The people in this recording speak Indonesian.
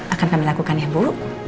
akan kami lakukan ya bu